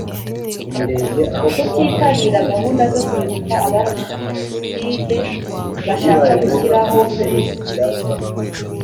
kutitabira gahunda zo kwibuka abarokotse jenoside bashaka gushyiraho